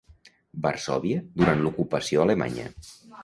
Varsòvia, durant l'ocupació alemanya.